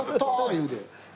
言うて。